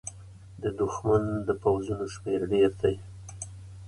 د دښمن د پوځونو شمېر ډېر دی.